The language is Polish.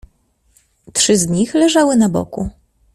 "Trzy z nich leżały na boku."